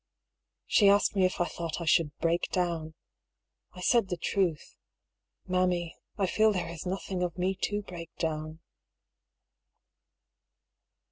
She asked me if I thought I should " break down." I said the truth :" Mammy, I feel there is nothing of me to break down."